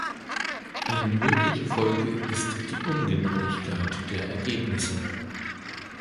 Eine mögliche Folge ist die Ungenauigkeit der Ergebnisse.